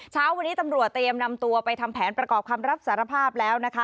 เช้าวันนี้ตำรวจเตรียมนำตัวไปทำแผนประกอบคำรับสารภาพแล้วนะคะ